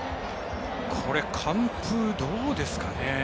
完封、どうですかね。